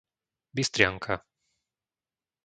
Bystrianka